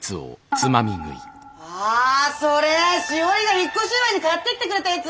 あそれ詩織が引っ越し祝に買ってきてくれたやつ！